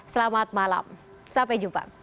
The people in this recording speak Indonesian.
selamat malam sampai jumpa